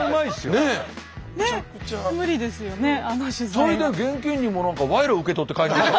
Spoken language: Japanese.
それで現金にも何か賄賂受け取って帰りました。